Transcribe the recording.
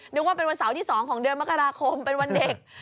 นึกว่าเป็นวันเสาร์ที่๒ของเดือนมกราคมเป็นวันเด็ก